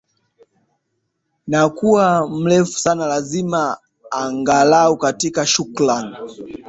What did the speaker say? na kuwa mrefu sana lazima angalau katika shukrani